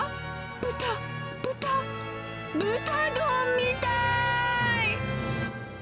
豚、豚、豚丼みたい！